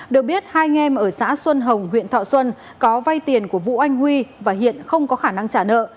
được biết hai anh em ở xã xuân hồng huyện thọ xuân có vay tiền của vũ anh huy và hiện không có khả năng trả nợ